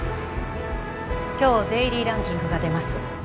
今日デイリーランキングが出ます